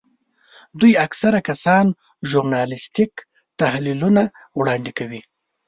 دوی اکثره کسان ژورنالیستیک تحلیلونه وړاندې کوي.